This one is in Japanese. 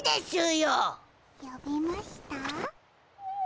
よびました？